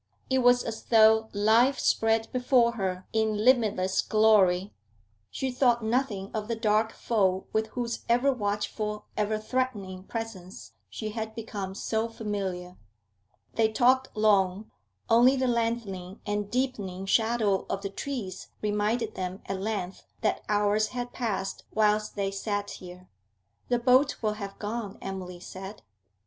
It was as though life spread before her in limitless glory; she thought nothing of the dark foe with whose ever watchful, ever threatening presence she had become so familiar. They talked long; only the lengthening and deepening shadow of the trees reminded them at length that hours had passed whilst they sat here. 'The boat will have gone,' Emily said.